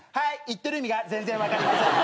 言ってる意味が全然分かりません。